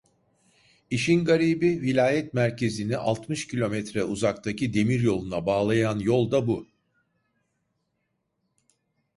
İşin garibi, vilayet merkezini altmış kilometre uzaktaki demiryoluna bağlayan yol da bu!